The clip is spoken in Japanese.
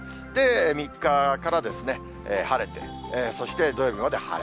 ３日から晴れて、そして土曜日まで晴れ。